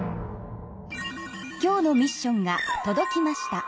今日のミッションがとどきました。